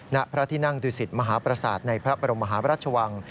ณพระที่นั่งดูสิตมหาประสาทในพระบรมหาพระราชวัง